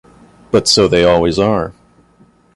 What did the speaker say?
But so they always are.